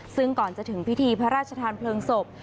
ซึ่งก่อนจะถึงพิธีพระราชทานเพลิงศพ